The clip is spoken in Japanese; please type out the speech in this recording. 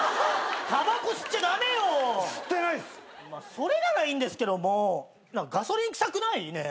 それならいいんですけども何かガソリン臭くない？ねえ。